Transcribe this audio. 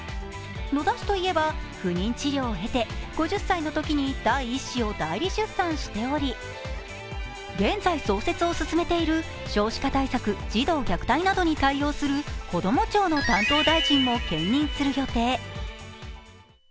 野田氏といえば不妊治療を経て５０歳のときに第１子を代理出産しており現在、創設を進めている少子化対策児童虐待などに対する子ども庁の担当大臣も兼任する予定。